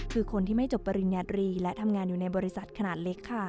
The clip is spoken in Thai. คือคนที่ไม่จบปริญญาตรีและทำงานอยู่ในบริษัทขนาดเล็กค่ะ